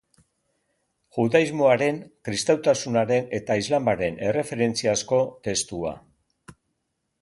Judaismoaren, kristautasunaren eta islamaren erreferentziazko testua.